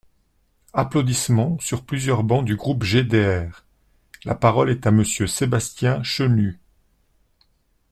(Applaudissements sur plusieurs bancs du groupe GDR.) La parole est à Monsieur Sébastien Chenu.